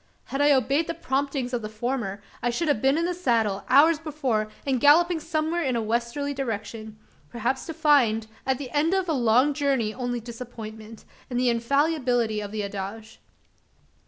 Had I obeyed the promptings of the former, I should have been in the saddle, hours before, and galloping somewhere in a westerly direction perhaps to find, at the end of a long journey only disappointment, and the infallibility of the adage.